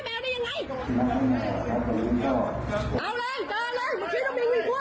มั่งไม่ง่ายคนเดียว